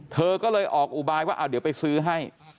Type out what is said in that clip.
เธอก็เลยออกอุบายว่าเดี๋ยวไปซื้อให้